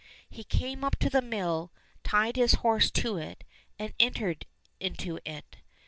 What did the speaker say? He came up to the mill, tied his horse to it, and entered into it.